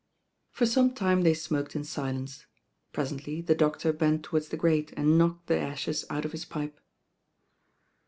For.some time they smoked in snence. Presently the doctor bent towards the grate and knocked the ashes out of his pipe.